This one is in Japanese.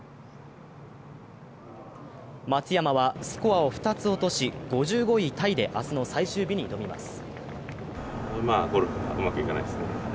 松山はスコアを２つ落とし、５５位タイで明日の最終日に挑みます。